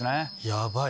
ヤバい。